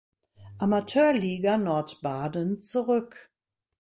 Amateurliga Nordbaden zurück.